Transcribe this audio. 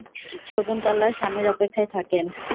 শকুন্তলা স্বামীর অপেক্ষায় থাকেন।